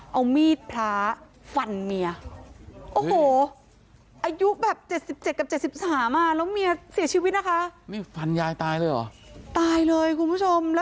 เอามีดพระฟันเมียโอ้โหอายุแบบ๗๗กับ๗๓อ่ะแล้วเมียเสียชีวิตนะคะ